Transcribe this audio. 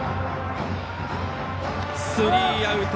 スリーアウト。